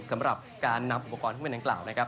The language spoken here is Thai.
สำหรับการนำอุปกรณ์ขึ้นไปในกล่าว